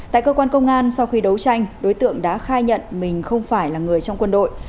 tại cơ quan công an sau khi đấu tranh đối tượng đã khai nhận mình không phải là người trong quân đội